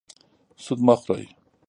سود مه خورئ